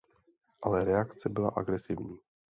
Ale reakce byla agresivní.